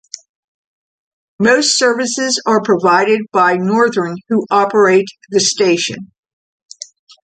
Most services are provided by Northern who operate the station.